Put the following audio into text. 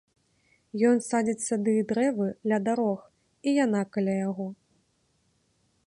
Ён садзіць сады і дрэвы ля дарог, і яна каля яго.